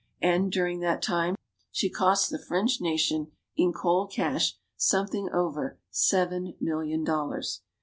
And, during that time, she cost the French nation, in cold cash, something over seven million dollars.